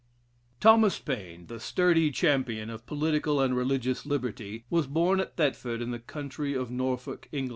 Thomas Paine, "the sturdy champion of political and religious liberty," was born at Thetford, in the County of Norfolk, (Eng.